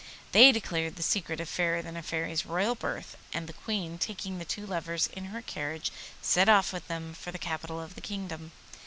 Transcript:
They declared the secret of Fairy than a Fairy's royal birth, and the Queen taking the two lovers in her carriage set off with them for the capital of the kingdom.